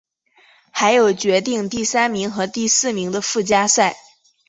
还有决定第三名和第四名的附加赛。